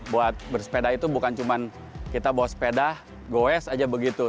buat bersepeda itu bukan cuma kita bawa sepeda goes aja begitu